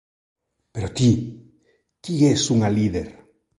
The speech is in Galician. Pero ti, ti es unha líder.